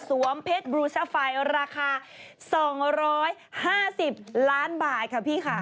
เพชรบลูซ่าไฟราคา๒๕๐ล้านบาทค่ะพี่ค่ะ